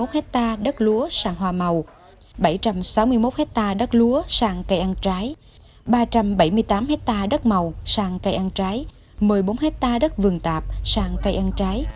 hecta đất lúa sang hoa màu bảy trăm sáu mươi một hecta đất lúa sang cây ăn trái ba trăm bảy mươi tám hecta đất màu sang cây ăn trái